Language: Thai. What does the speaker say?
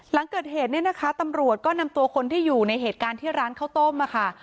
หลังเกิดเหตุเนี่ยนะคะตำรวจก็นำตัวคนที่อยู่ในเหตุการณ์ที่ร้านข้าวต้มค่ะ